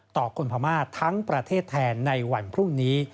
ต่อคนพม่าทั้งประเทศแทนในวันพรุ่งนี้